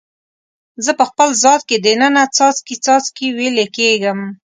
زه په خپل ذات کې د ننه څاڅکي، څاڅکي ویلي کیږم